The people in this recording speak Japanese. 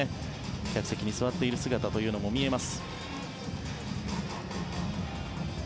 客席に座っている姿も見えます。